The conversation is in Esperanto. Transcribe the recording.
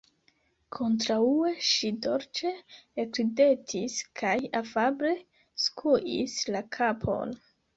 Kontraŭe, ŝi dolĉe ekridetis kaj afable skuis la kapon.